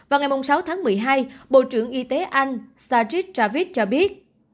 vào ngày sáu tháng một mươi hai bộ trưởng y tế anh sajid javid cho biết